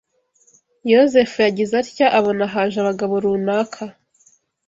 Yozefu yagize atya abona haje abagabo runaka